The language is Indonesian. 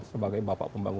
sebagai bapak pembangunan